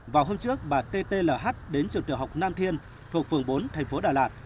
vào hôm trước bà t t l h đến trường trường học nam thiên thuộc phường bốn thành phố đà lạt